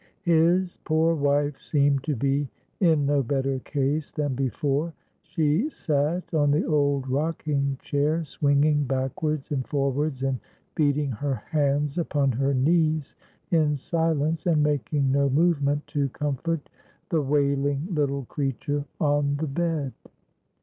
His poor wife seemed to be in no better case than before. She sat on the old rocking chair, swinging backwards and forwards, and beating her hands upon her knees in silence, and making no movement to comfort the wailing little creature on the bed.